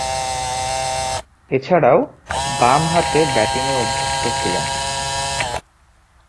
এছাড়াও, বামহাতে ব্যাটিংয়ে অভ্যস্ত ছিলেন।